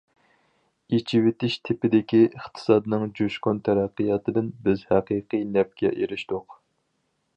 ئېچىۋېتىش تىپىدىكى ئىقتىسادنىڭ جۇشقۇن تەرەققىياتىدىن بىز ھەقىقىي نەپكە ئېرىشتۇق.